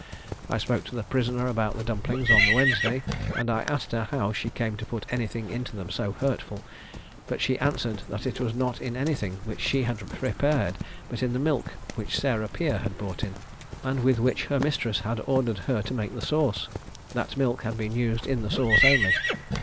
I spoke to the prisoner about the dumplings on the Wednesday, and I asked her how she came to put anything into them so hurtful, but she answered that it was not in anything which she had prepared, but in the milk which Sarah Peer had brought in, and with which her mistress had ordered her to make the sauce. That milk had been used in the sauce only.